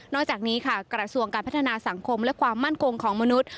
อกจากนี้ค่ะกระทรวงการพัฒนาสังคมและความมั่นคงของมนุษย์